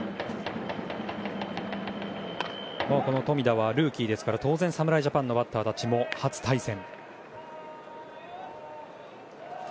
富田はルーキーですから、当然侍ジャパンのバッターたちも初対戦。